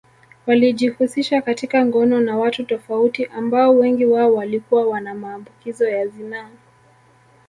Walijihusisha katika ngono na watu tofauti ambao wengi wao walikuwa wana maambukizo ya zinaa